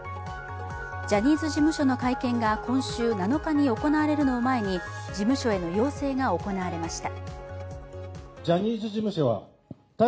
ジャニーズ事務所の会見が今週７日に行われるのを前に事務所への要請が行われました。